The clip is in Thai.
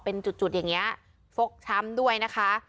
เป็นจุดอย่างนี้ฟกช้ำด้วยนะคะ